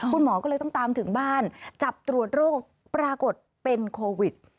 คุณหมอก็เลยต้องตามถึงบ้านจับตรวจโรคปรากฏเป็นโควิด